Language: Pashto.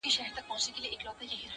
خو دده زامي له يخه څخه رېږدي”